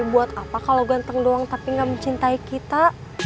buat apa kalau ganteng doang tapi gak mencintai kita